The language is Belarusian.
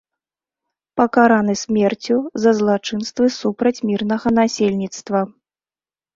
Пакараны смерцю за злачынствы супраць мірнага насельніцтва.